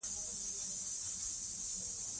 د تایمني د کلام بېلګه په زمینداور کښي موندل سوې ده.